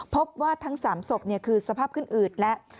พบว่าทั้ง๓ศพคือสภาพขึ้นอืดแล้ว